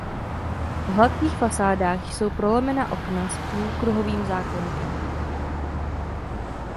V hladkých fasádách jsou prolomena okna s půlkruhovým záklenkem.